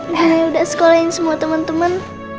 nenek udah sekolahin semua temen temen